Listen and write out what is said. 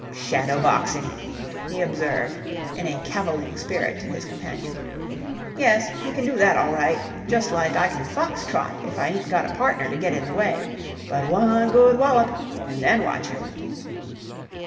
"Shadow boxing," he observed in a cavilling spirit to his companion. "Yes, he can do that all right, just like I can fox trot if I ain't got a partner to get in the way. But one good wallop, and then watch him."